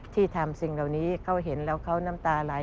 ที่ทำสิ่งเหล่านี้เขาเห็นแล้วเขาน้ำตาไหล